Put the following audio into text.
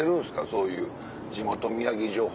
そういう地元宮城情報。